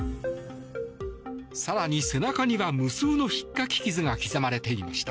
更に背中には、無数のひっかき傷が刻まれていました。